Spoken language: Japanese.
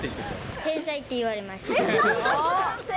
天才って言われました。